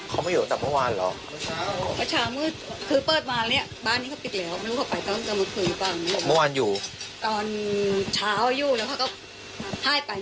เขาไม่อยู่แต่เมื่อวานเหรอ